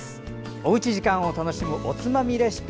おうち時間を楽しむおつまみレシピ。